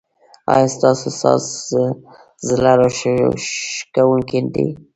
ایا ستاسو ساز زړه راښکونکی دی؟